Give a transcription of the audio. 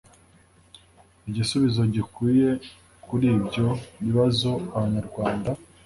igisubizo gikwiye kuri ibyo bibazo abanyarwanda